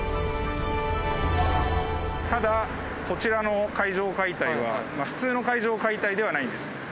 ただこちらの階上解体は普通の階上解体ではないんです。